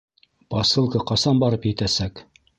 Посылка ҡасан барып етәсәк?